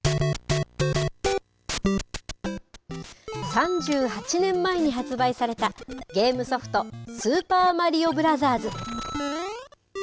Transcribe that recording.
３８年前に発売されたゲームソフト、スーパーマリオブラザーズ。